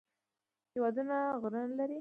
هېواد ډېر غرونه لري